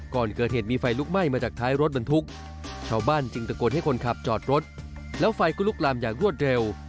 ก่อนเกิดเหตุมีไฟลุกไหม้มาจากท้ายรถบรรทุกชาวบ้านจึงตะโกนให้คนขับจอดรถแล้วไฟก็ลุกลามอย่างรวดเร็ว